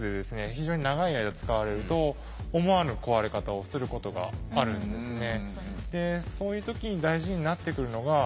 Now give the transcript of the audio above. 非常に長い間使われると思わぬ壊れ方をすることがあるんですね。